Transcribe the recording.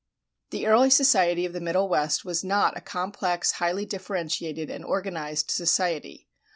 The early society of the Middle West was not a complex, highly differentiated and organized society.